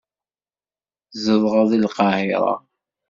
Tzedɣeḍ deg Lqahira.